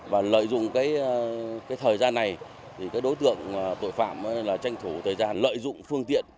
và lợi dụng thời gian này đối tượng tội phạm tranh thủ thời gian lợi dụng phương tiện